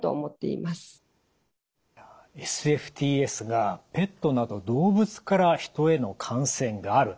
ＳＦＴＳがペットなど動物から人への感染がある。